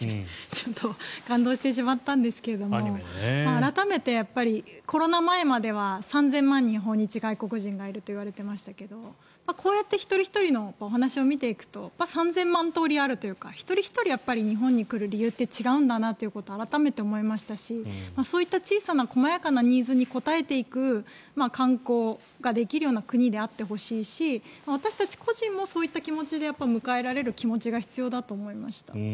ちょっと感動してしまったんですが改めてコロナ前までは３０００万人の訪日外国人がいるといわれていましたがこうやって一人ひとりの話を見ていると３０００通りあるというか一人ひとり日本に来る理由って違うんだなって改めて思いましたしそういった小さな細やかなニーズに応えていく観光ができるような国であってほしいし私たち個人もそういった気持ちで迎えられる気持ちが必要だと思いました。